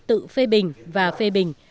tự phê bình và phê bình